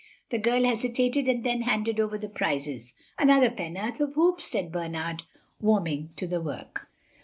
The girl hesitated and then handed over the prizes. "Another penn'orth of hoops," said Bernard, warming to the work.